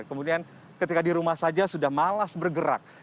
kemudian ketika di rumah saja sudah malas bergerak